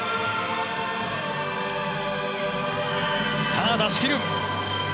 さあ、出しきる！